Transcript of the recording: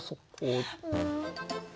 うん。